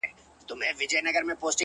ستا د پښو ترپ ته هركلى كومه ـ